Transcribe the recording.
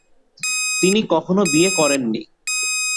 তিনি কখনও বিয়ে করেনি।